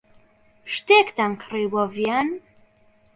شتێکتان کڕی بۆ ڤیان.